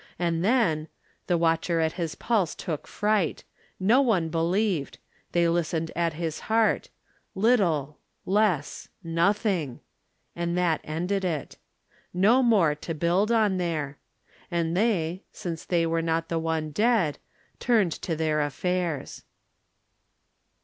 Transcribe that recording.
And then the watcher at his pulse took fright. No one believed. They listened at his heart. Little less nothing! and that ended it. No more to build on there. And they, since they Were not the one dead, turned to their affairs.